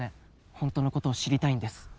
ホントのことを知りたいんです